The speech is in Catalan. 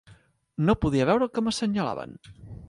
No podia veure el que m'assenyalaven